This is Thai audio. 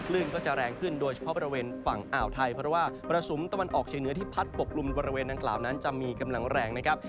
ก็จะแรงขึ้นโดยเฉพาะบริเวณฝั่งอ่าวไทยเพราะว่ามรสุมตะวันออกเชียงเหนือที่พัดปกลุ่มบริเวณดังกล่าวนั้นจะมีกำลังแรงนะครับ